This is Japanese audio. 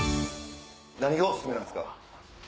何がおすすめなんですか？